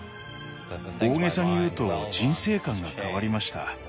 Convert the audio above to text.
大げさに言うと人生観が変わりました。